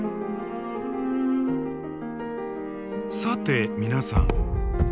さて皆さん。